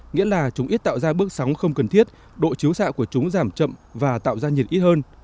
nghĩa là chúng ít tạo ra bước sóng không cần thiết độ chiếu xạ của chúng giảm chậm và tạo ra nhiệt ít hơn